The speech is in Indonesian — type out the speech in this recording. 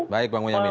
baik bang uyamin